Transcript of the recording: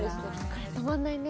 これ止まんないね。